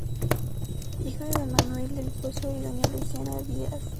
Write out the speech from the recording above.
Hijo de don Manuel del Pozo y doña Luciana Díaz.